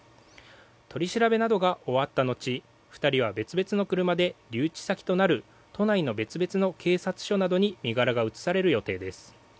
取り調べなどが終わった後２人は別々の車で留置先となる都内の別々の警察署などに身柄が移される予定です。